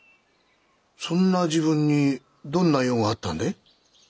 そんな時分にどんな用があったんだい？